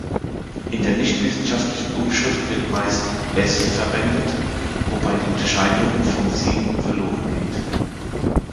In der nichtwissenschaftlichen Umschrift wird meist „s“ verwendet, wobei die Unterscheidung vom Sin verlorengeht.